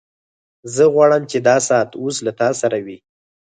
زه غواړم چې دا ساعت اوس له تا سره وي